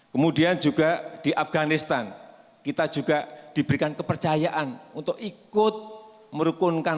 kemudian juga di afganistan kita juga diberikan kepercayaan untuk ikut merukunkan